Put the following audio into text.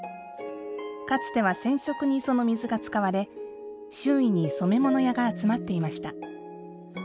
かつては染色にその水が使われ周囲に染め物屋が集まっていました。